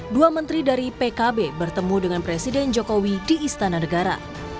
dua menteri dari pkb bertemu dengan presiden jokowi di istana negara